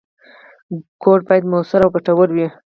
کوډ باید موثر او ګټور وي.